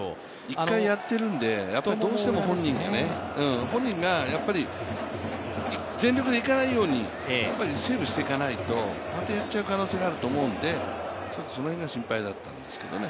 １回やってるんで、どうしても本人が全力でいかないようにセーブしていかないとまたやっちゃう可能性があると思うんでその辺が心配だったんですけどね。